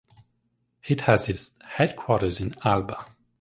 It has its headquarters in Alba.